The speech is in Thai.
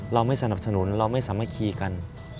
เราไม่สนับสนุนเราไม่สามารถคีกัน